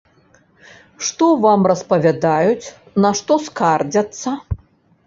Што вам распавядаюць, на што скардзяцца?